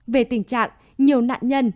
về tình trạng nhiều nạn nhân